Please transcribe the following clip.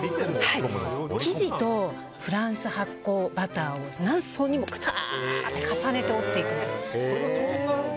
生地とフランス発酵バターを何層にも重ねて折っていくの。